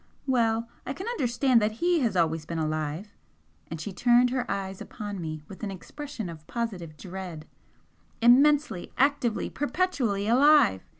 "Well, I can understand that HE has always been alive!" and she turned her eyes upon me with an expression of positive dread "Immensely, actively, perpetually alive!